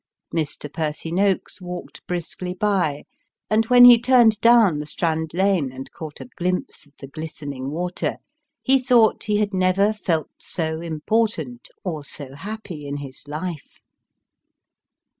Mr. Percy Noakes walked briskly by, and when lie turned down Strand Lane, and caught a glimpse of the glistening water, he thought he had never felt so important or so happy in his life.